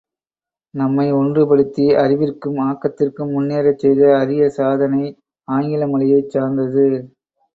நம்மை ஒன்றுபடுத்தி அறிவிற்கும் ஆக்கத்திற்கும் முன்னேறச் செய்த அரிய சாதனை ஆங்கில மொழியைச் சார்ந்தது.